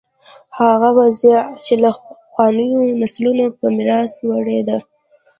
هغه وضع چې له پخوانیو نسلونو په میراث وړې ده.